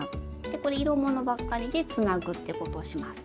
これ色ものばっかりでつなぐってことをします。